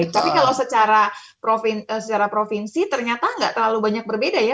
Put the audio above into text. tapi kalau secara provinsi ternyata nggak terlalu banyak berbeda ya